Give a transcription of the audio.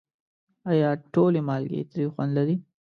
آیا ټولې مالګې تریو خوند لري؟